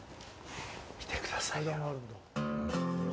見てくださいよ。